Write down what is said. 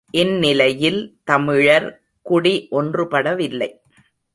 இந்நிலையில் தமிழர் குடி ஒன்றுபடவில்லை!